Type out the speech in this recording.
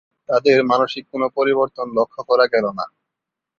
তাদের মানসিক কোন পরিবর্তন লক্ষ্য করা গেল না।